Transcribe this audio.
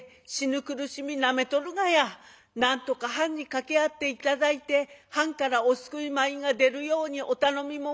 なんとか藩に掛け合って頂いて藩からお救い米が出るようにお頼み申します。